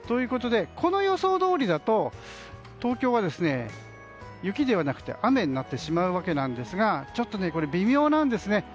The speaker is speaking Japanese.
この予想どおりだと東京は雪ではなく雨になってしまうわけですがちょっと微妙なんですね。